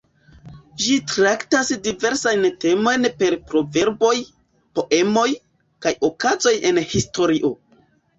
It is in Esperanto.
Ĝi traktas diversajn temojn per proverboj, poemoj, kaj okazoj en historio.